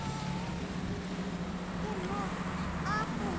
でもあーぷん